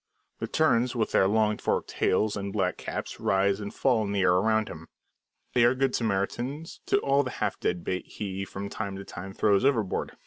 The terns, with their long forked tails and black caps rise and fall in the air around him. They are good Samaritans to all the half dead bait he from time to time throws overboard.